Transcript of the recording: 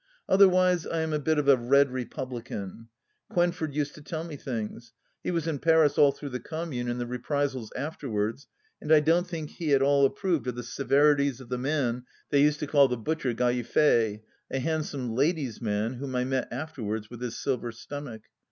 Otherwise I am a bit of a Red Republican. Quenford used to tell me things. He was in Paris all through the Commune and the reprisals afterwards, and I don't think he at all approved of the severities of the man they used to call the Butcher Gallifet — a handsome ladies' man, whom I met afterwards, with his silver stomach.